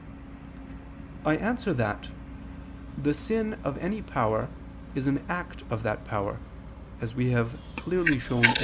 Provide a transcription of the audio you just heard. I answer that, The sin of any power is an act of that power, as we have clearly shown (AA.